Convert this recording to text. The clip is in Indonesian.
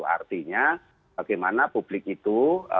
artinya bagaimana publik itu